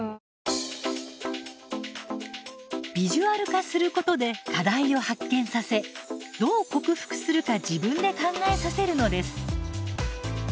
ビジュアル化することで課題を発見させどう克服するか自分で考えさせるのです。